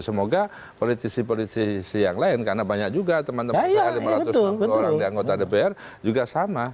semoga politisi politisi yang lain karena banyak juga teman teman saya lima ratus dua puluh orang di anggota dpr juga sama